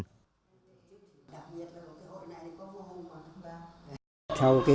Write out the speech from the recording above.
đặc biệt là hội này có mô hồn bằng thứ ba